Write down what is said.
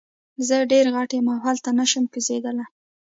زه ډیر غټ یم او هلته نشم کوزیدلی.